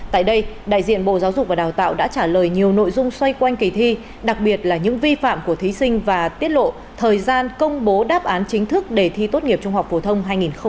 tại đây đại diện bộ giáo dục và đào tạo đã trả lời nhiều nội dung xoay quanh kỳ thi đặc biệt là những vi phạm của thí sinh và tiết lộ thời gian công bố đáp án chính thức để thi tốt nghiệp trung học phổ thông hai nghìn hai mươi